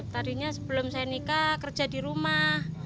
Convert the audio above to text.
tadinya sebelum saya nikah kerja di rumah